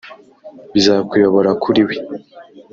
bizakuyobora kuriwe,